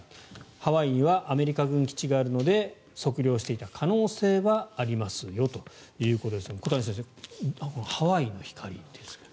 ハワイにはアメリカ軍基地があるので測量していた可能性はありますよということですが小谷先生、ハワイの光ですが。